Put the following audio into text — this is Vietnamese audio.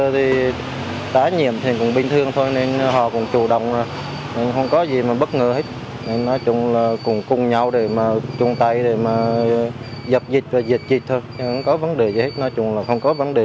đề phòng cao hơn